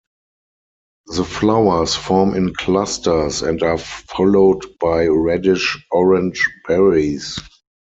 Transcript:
The flowers form in clusters and are followed by reddish orange berries.